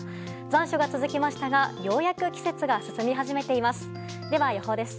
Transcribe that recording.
残暑が続きましたがようやく季節が進み始めています。